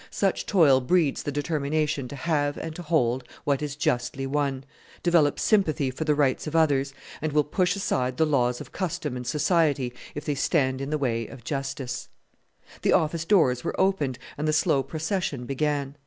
Such toil breeds the determination to have and to hold what is justly won, develops sympathy for the rights of others, and will push aside the laws of custom and society if they stand in the way of justice. The office doors were opened and the slow procession began.